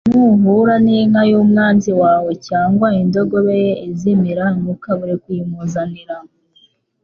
ngo: « Nuhura n'inka y'umwanzi wawe cyangwa indogobe ye izimira, ntukabure kuyimuzanira.